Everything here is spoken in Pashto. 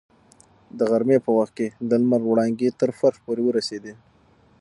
د غرمې په وخت کې د لمر وړانګې تر فرش پورې ورسېدې.